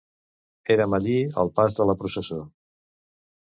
Érem allí al pas de la processó.